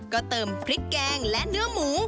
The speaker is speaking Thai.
ก็เติมพริกแกงและเนื้อหมู